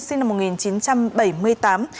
sinh năm một nghìn chín trăm bảy mươi